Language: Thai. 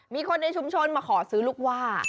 มีคนในชุมชนมาขอซื้อลูกว่า